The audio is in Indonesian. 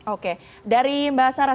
oke dari mbak sarah